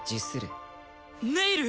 ネイル！？